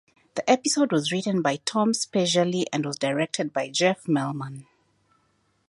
The episode was written by Tom Spezialy and was directed by Jeff Melman.